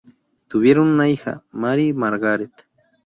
Tuvieron una hija, Mary Margaret.